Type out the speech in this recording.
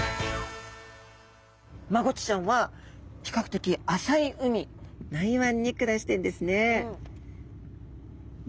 マゴチちゃんは比較的浅い海内湾に暮らしているんですね。